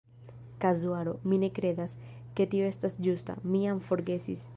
"Kazuaro". Mi kredas, ke tio estas ĝusta, mi jam forgesis.